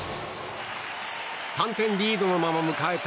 ３点リードのまま迎えた